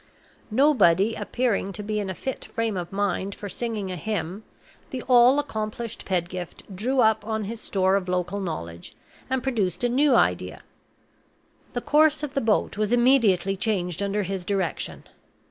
Nobody appearing to be in a fit frame of mind for singing a hymn, the all accomplished Pedgift drew upon his stores of local knowledge, and produced a new idea. The course of the boat was immediately changed under his direction.